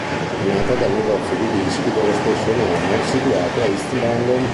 È nata dal negozio di dischi dello stesso nome situato a East London.